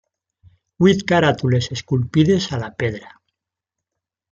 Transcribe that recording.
Vuit caràtules esculpides a la pedra.